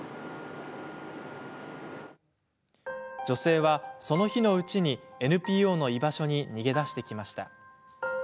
女性は、その日のうちにＮＰＯの居場所に逃げ出してきました。